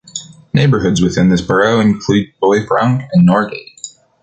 Neighbourhoods within this borough include Bois-Franc and Norgate.